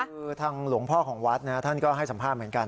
คือทางหลวงพ่อของวัดท่านก็ให้สัมภาษณ์เหมือนกัน